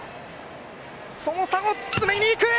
その差を詰めにいく！